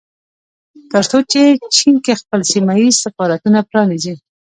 ترڅو په چين کې خپل سيمه ييز سفارتونه پرانيزي